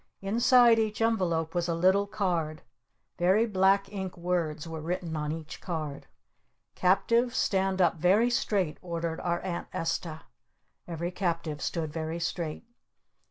Inside each envelope was a little card. Very black ink words were written on each card. "Captives, stand up very straight!" ordered our Aunt Esta. Every captive stood very straight.